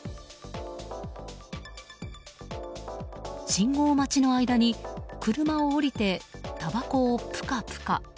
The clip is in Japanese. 信号待ちの間に車を降りてたばこをプカプカ。